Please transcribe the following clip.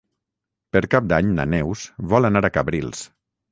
Per Cap d'Any na Neus vol anar a Cabrils.